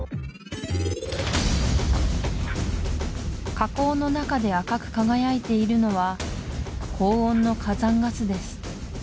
火口の中で赤く輝いているのは高温の火山ガスです